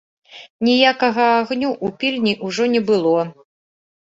Ніякага агню ў пільні ўжо не было.